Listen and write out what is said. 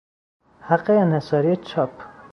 حق انحصاری چاپ